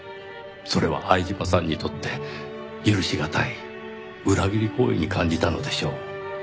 それは相島さんにとって許しがたい裏切り行為に感じたのでしょう。